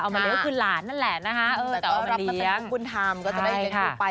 เอามาเลี้ยวคือหลานนั่นแหละนะคะเออแต่เอามาเลี้ยงแล้วก็รับประเศษของคุณทามก็จะได้เลี้ยงถูกไป